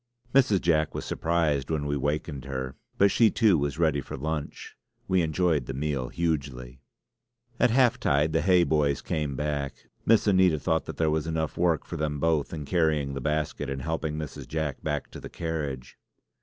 Mrs. Jack was surprised when we wakened her; but she too was ready for lunch. We enjoyed the meal hugely. At half tide the Hay boys came back. Miss Anita thought that there was enough work for them both in carrying the basket and helping Mrs. Jack back to the carriage.